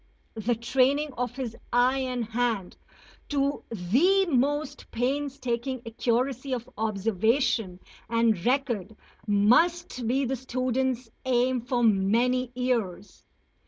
The training of his eye and hand to the most painstaking accuracy of observation and record must be the student's aim for many years.